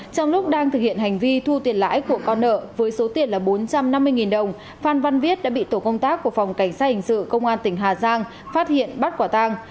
trong lúc đang thực hiện hành vi thu tiền lãi của con nợ với số tiền là bốn trăm năm mươi đồng phan văn viết đã bị tổ công tác của phòng cảnh sát hình sự công an tỉnh hà giang phát hiện bắt quả tang